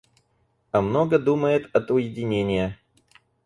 А много думает от уединения.